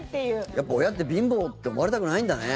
やっぱり親って貧乏って思われたくないんだね。